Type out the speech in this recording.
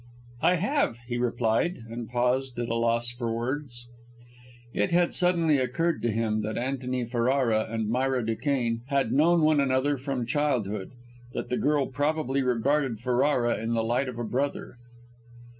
"I have," he replied, and paused, at a loss for words. It had suddenly occurred to him that Antony Ferrara and Myra Duquesne had known one another from childhood; that the girl probably regarded Ferrara in the light of a brother.